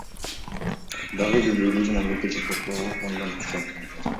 Дагы бир бөлүгү мамлекеттик топтоо фондунан түшкөн.